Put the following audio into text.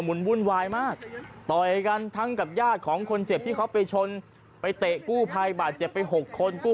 มันมันหว่าอย่างเงอะเนี้ยคนถอดเสื้อเนี้ยฮะที่มีรอยสักเนี้ยครับ